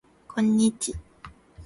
こんにち